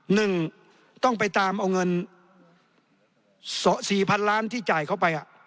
หนึ่งต้องไปตามเอาเงินสี่พันล้านที่จ่ายเข้าไป